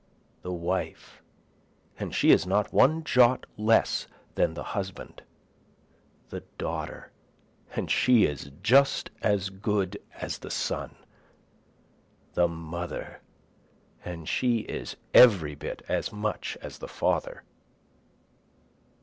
The wife, and she is not one jot less than the husband, The daughter, and she is just as good as the son, The mother, and she is every bit as much as the father.